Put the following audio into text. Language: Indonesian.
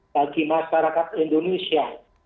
bagi masyarakat indonesia